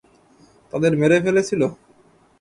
তাদের মেরে ফেলেছিলো?